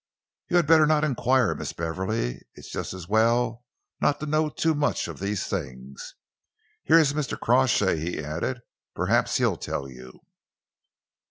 "You had better not enquire, Miss Beverley. It's just as well not to know too much of these things. Here's Mr. Crawshay," he added. "Perhaps he'll tell you."